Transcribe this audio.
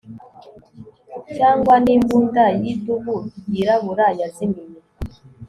Cyangwa nimbunda yidubu yirabura yazimiye